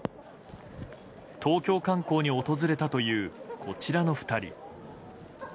東京観光に訪れたというこちらの２人。